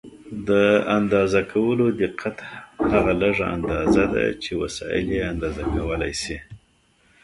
د اندازه کولو دقت هغه لږه اندازه ده چې وسایل یې اندازه کولای شي.